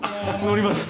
乗ります！